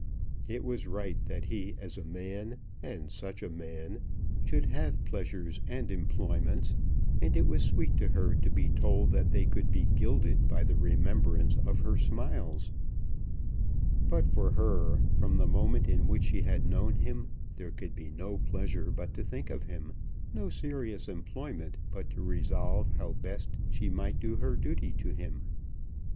It was right that he as a man, and such a man, should have pleasures and employments, and it was sweet to her to be told that they could be gilded by the remembrance of her smiles. But for her, from the moment in which she had known him, there could be no pleasure but to think of him, no serious employment but to resolve how best she might do her duty to him.